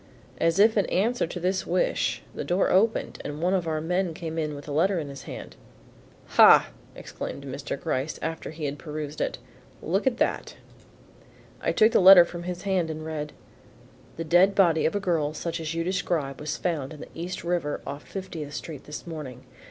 As if in answer to this wish the door opened and one of our men came in with a letter in his hand. "Ha!" exclaimed Mr. Gryce, after he had perused it, "look at that." I took the letter from his hand and read: The dead body of a girl such as you describe was found in the East river off Fiftieth Street this morning.